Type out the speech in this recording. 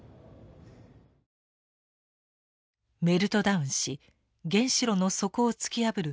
メルトダウンし原子炉の底を突き破る